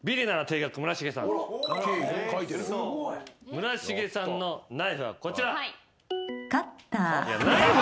村重さんのナイフはこちら。